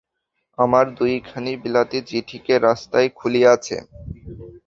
আমার দুইখানি বিলাতী চিঠি কে রাস্তায় খুলিয়াছে।